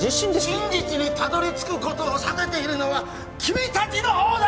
真実にたどり着くことを避けているのは君達の方だ！